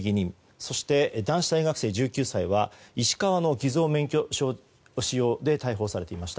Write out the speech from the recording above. そして、男子大学生１９歳は石川の偽造免許証使用で逮捕されていました。